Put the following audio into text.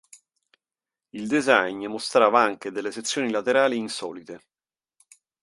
Il design mostrava anche delle sezioni laterali insolite.